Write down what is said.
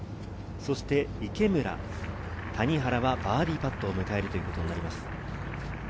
そして池村、谷原はバーディーパットを迎えるということになります。